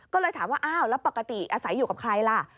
ก็เลยถามว่าอ้าวแล้วปกติอาศัยอยู่กับใครล่ะ